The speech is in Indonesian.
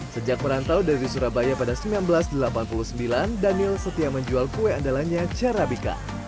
sejak merantau dari surabaya pada seribu sembilan ratus delapan puluh sembilan daniel setia menjual kue andalanya carabica